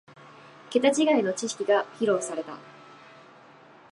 ケタ違いの知識が披露された